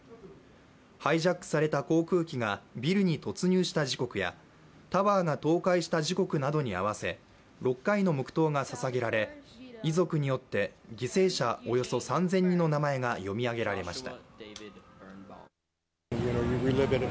ハイジャックされた航空機がビルに突入した時刻やタワーが倒壊した時刻などに合わせ６回の黙とうがささげられ遺族によって犠牲者およそ３０００人の名前が読み上げられました。